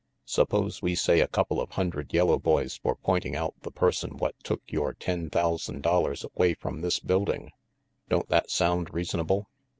" Suppose we say a couple of hundred yellow boys for pointing out the person what took yore ten thousand dollars away from this building. Don't that sound reasonable?"